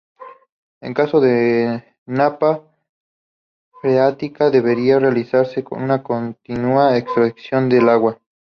En caso de napa freática deberá realizarse una continua extracción del agua.